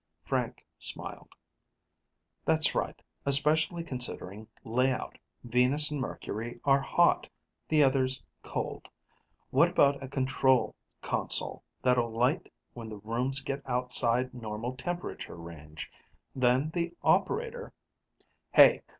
Frank smiled, "That's right, especially considering layout. Venus and Mercury are hot; the others, cold. What about a control console that'll light when the rooms get outside normal temperature range? Then the operator " "Hey!